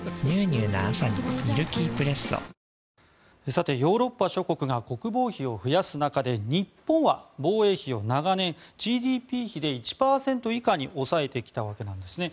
さて、ヨーロッパ諸国が国防費を増やす中で日本は防衛費を長年ＧＤＰ比で１％以下に抑えてきたわけなんですね。